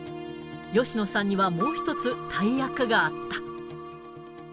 吉野さんにはもう一つ、大役があった。